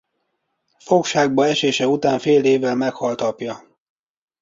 Fogságba esése után fél évvel meghalt apja.